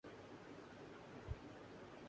یہ زمرد بھی حریف دم افعی نہ ہوا